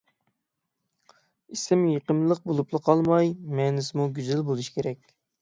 ئىسىم يېقىملىق بولۇپلا قالماي، مەنىسىمۇ گۈزەل بولۇشى كېرەك.